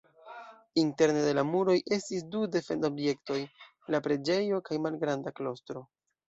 Interne de la muroj estis du defend-objektoj: la preĝejo kaj malgranda klostro.